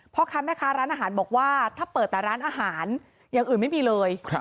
พ่อค้าแม่ค้าร้านอาหารบอกว่าถ้าเปิดแต่ร้านอาหารอย่างอื่นไม่มีเลย